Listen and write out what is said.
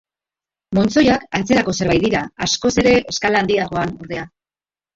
Montzoiak antzerako zerbait dira, askoz ere eskala handiagoan, ordea.